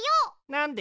なんで？